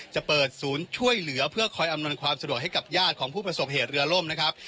จะเปิดศูนย์ช่วยเหลือเพื่อคอยอำนวยความสะดวกให้กับญาติของผู้ประสบเหตุเรือล่มนะครับ